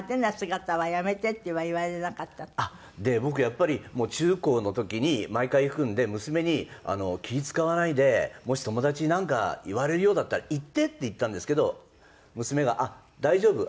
あっ僕やっぱり中高の時に毎回行くんで娘に「気ぃ使わないでもし友達になんか言われるようだったら言って」って言ったんですけど娘が「あっ大丈夫。